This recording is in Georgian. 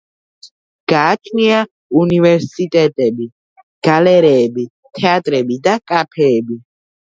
გააჩნია უნივერსიტეტები, გალერეები, თეატრები და კაფეები.